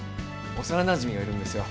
幼なじみがいるんですよ。